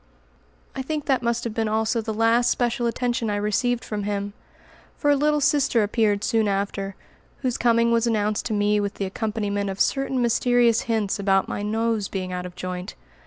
I think that must have been also the last special attention I received from him, for a little sister appeared soon after, whose coming was announced to me with the accompaniment of certain mysterious hints about my nose being out of joint.